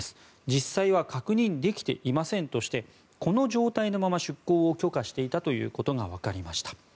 実際は確認できていませんとしてこの状態のまま出航を許可していたことがわかりました。